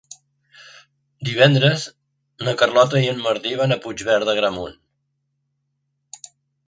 Divendres na Carlota i en Martí van a Puigverd d'Agramunt.